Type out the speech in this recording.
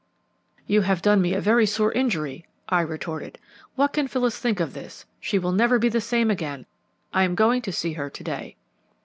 "'You have done me a very sore injury,' I retorted. 'What can Phyllis think of this? She will never be the same again. I am going to see her to day.'